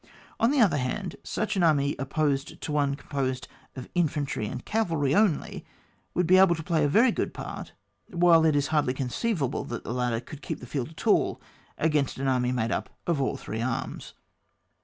— On the other hand, such an army opposed to one composed of in fantry and cavalry only would be able to play a very good part, while it is nardly conceivable that the latter could keep the field at all against an army made up of all three arms.